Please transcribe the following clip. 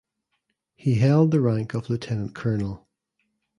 He held the rank of Lieutenant Colonel.